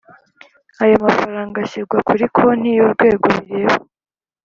Ayo mafaranga ashyirwa kuri konti y’Urwego bireba